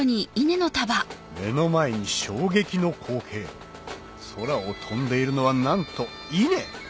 目の前に衝撃の光景空を飛んでいるのはなんと稲！